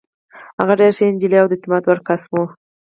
هغه ډېره ښه نجلۍ او د اعتماد وړ کس وه.